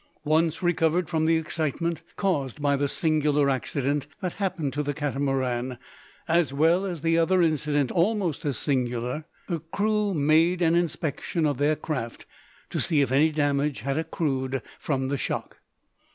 Once recovered from the excitement, caused by the singular accident that happened to the Catamaran, as well as the other incident almost as singular, her crew made an inspection of their craft, to see if any damage had accrued from the shock.